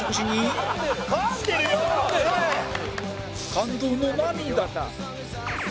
感動の涙